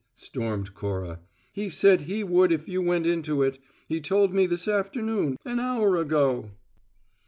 stormed Cora. "He said he would if you went into it. He told me this afternoon, an hour ago."